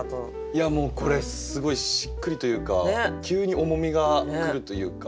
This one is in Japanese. いやもうこれすごいしっくりというか急に重みが来るというか。